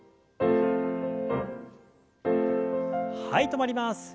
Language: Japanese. はい止まります。